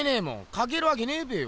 描けるわけねぇべよ。